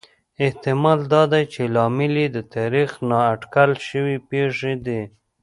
احتمال دا دی چې لامل یې د تاریخ نا اټکل شوې پېښې دي